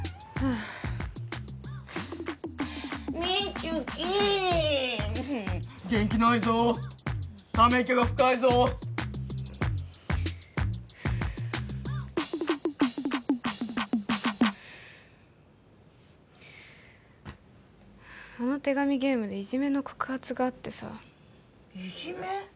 あの手紙ゲームでいじめの告発があってさいじめ？